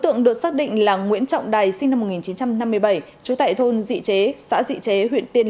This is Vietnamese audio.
tượng được xác định là nguyễn trọng đài sinh năm một nghìn chín trăm năm mươi bảy trú tại thôn dị chế xã dị chế huyện tiên